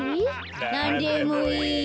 なんでもいい。